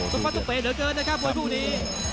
สิมประตุเปเหลือเกินนะครับโมยผู้นี้